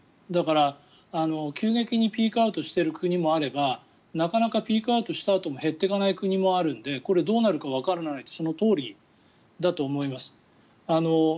だから、急激にピークアウトしている国もあればなかなかピークアウトしたあとも減っていかない国もあるのでこれ、どうなるかわからないそのとおりだと思います。